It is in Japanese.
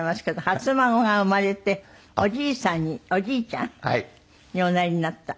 初孫が生まれておじいさんにおじいちゃんにおなりになった。